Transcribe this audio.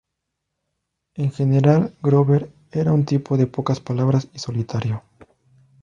En general Grover era un tipo de pocas palabras y solitario.